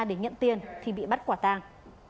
để nhận tiền thì bị bắt quả tàng